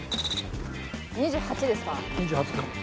２８ですか。